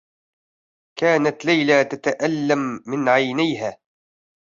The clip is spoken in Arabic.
كانت ليلى تتألّم من عينيها.